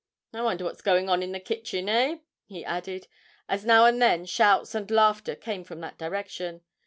I wonder what's going on in the kitchen, eh?' he added, as now and then shouts and laughter came from that direction.